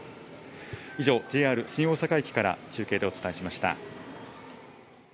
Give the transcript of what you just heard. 以上、ＪＲ新大阪駅から中継でお伝えしました。